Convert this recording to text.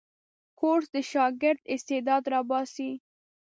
کورس د شاګرد استعداد راباسي.